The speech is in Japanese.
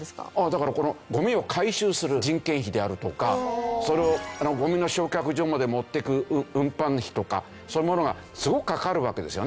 だからこのゴミを回収する人件費であるとかそれをゴミの焼却所まで持っていく運搬費とかそういうものがすごくかかるわけですよね。